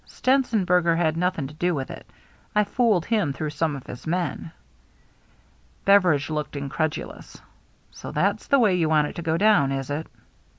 Stenzenberger had nothing to do with it. I fooled him through some of his men." Beveridge looked incredulous. "So that's the way you want it to go down, is it